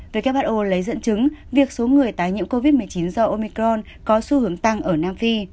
who lấy dẫn chứng việc số người tái nhiễm covid một mươi chín do omicron có xu hướng tăng ở nam phi